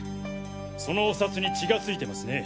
そのお札に血がついてますね。